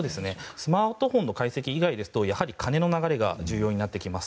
スマートフォンの解析以外ですと金の流れが重要になってきます。